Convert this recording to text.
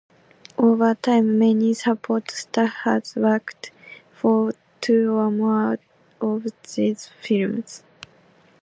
Over time many support staff have worked for two or more of these firms.